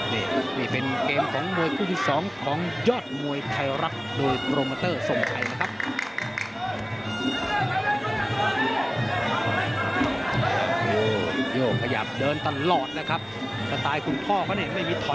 นี่นี่เป็นเกมของมวยคู่ที่๒ของยอดมวยไทยรัฐโดยโปรโมเตอร์ทรงชัยนะครับ